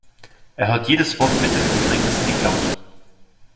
Er hört jedes Wort mit und überträgt es in die Cloud.